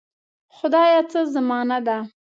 خدایه څه زمانه ده.